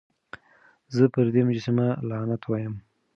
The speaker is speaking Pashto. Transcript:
زه پر دې مجسمه لعنت وايم.